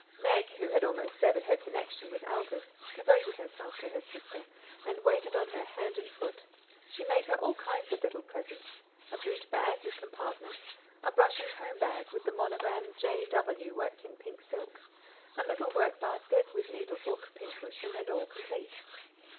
Meg, who had almost severed her connection with Aldith, devoted herself to her sister, and waited on her hand and foot; she made her all kinds of little presents a boot bag, with compartments; a brush and comb bag, with the monogram "J.W.," worked in pink silk; a little work basket, with needle book, pin cushion, and all complete.